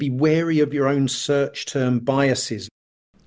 berhati hati dengan biasis yang anda cari